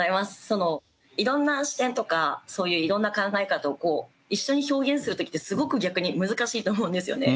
そのいろんな視点とかそういういろんな考え方を一緒に表現する時ってすごく逆に難しいと思うんですよね。